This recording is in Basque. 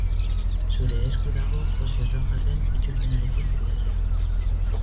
Zure esku dago Joxe Rojasen itzulpenarekin fidatzea.